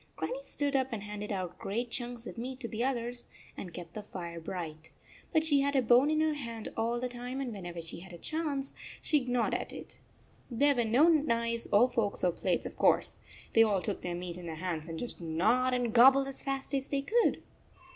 Grannie stood up and handed out great chunks of meat to the others and kept the fire bright. But she had a bone in her hand all the time, and whenever she had a chance, she gnawed it. There were no knives or forks or plates, of course. They all took their meat in their hands and just gnawed and gobbled as fast as they could